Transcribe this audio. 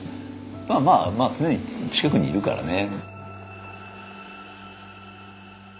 まあまあ常に近くにいるからね。